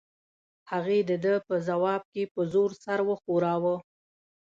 هغې د ده په ځواب کې په زور سر وښوراوه.